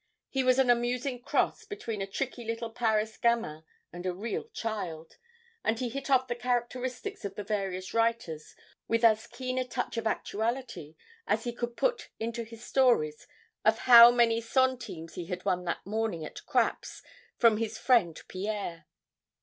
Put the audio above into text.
He was an amusing cross between a tricky little Paris gamin and a real child, and he hit off the characteristics of the various writers with as keen a touch of actuality as he could put into his stories of how many centimes he had won that morning at 'craps' from his friend Pierre.